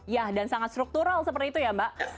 ya dan sangat struktural seperti itu ya mbak